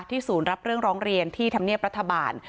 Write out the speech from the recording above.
ศูนย์รับเรื่องร้องเรียนที่ธรรมเนียบรัฐบาล